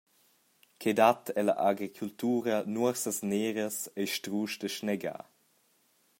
Ch’ei dat ella agricultura nuorsas neras ei strusch da snegar.